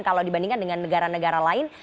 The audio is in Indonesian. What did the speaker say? kalau dibandingkan dengan negara negara lain